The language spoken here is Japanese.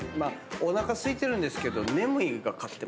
おなかすいてるんですけど。